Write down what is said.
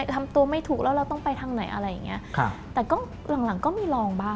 ทำตัวไม่ถูกแล้วเราต้องไปทางไหนอะไรอย่างนี้